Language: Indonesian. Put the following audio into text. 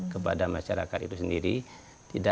kepada masyarakat itu sendiri